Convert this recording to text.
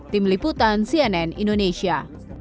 tim liputan cnn indonesia